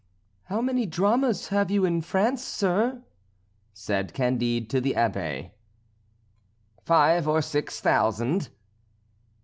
" "How many dramas have you in France, sir?" said Candide to the Abbé. "Five or six thousand."